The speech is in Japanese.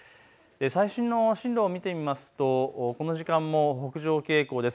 最新の進路を見てみるとこの時間も北上傾向です。